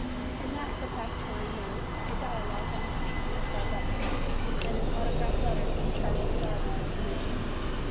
In that Prefatory Note a Dialogue on Species by Butler and an autograph letter from Charles Darwin are mentioned.